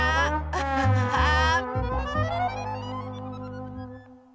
アッハハハー！